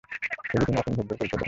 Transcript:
তবুও তিনি অসীম ধৈর্যের পরিচয় দেন।